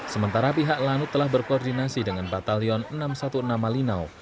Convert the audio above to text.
sementara pihak lanut telah berkoordinasi dengan batalion enam ratus enam belas malinau